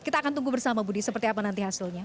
kita akan tunggu bersama budi seperti apa nanti hasilnya